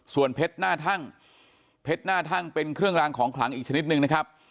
ส่วนเพชรหน้าทั่งเพชรหน้าทั่งเป็นเครื่องรางของขลังอีกชนิดนึงนะครับ